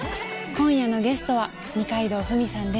今夜のゲストは二階堂ふみさんです。